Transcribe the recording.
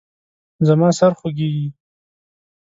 زما سر خوږیږي